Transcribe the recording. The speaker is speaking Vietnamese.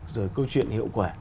rồi câu chuyện hiệu quả